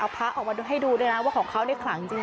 พระออกมาให้ดูด้วยนะว่าของเขาขลังจริง